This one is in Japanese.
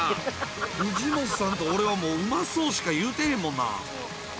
藤本さんと俺はもううまそうしか言うてへんもんな。